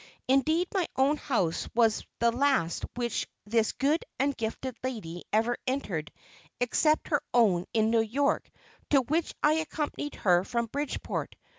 Indeed, my own house was the last which this good and gifted lady ever entered except her own in New York, to which I accompanied her from Bridgeport.